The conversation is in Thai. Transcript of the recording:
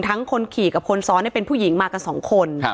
คนขี่กับคนซ้อนเป็นผู้หญิงมากันสองคน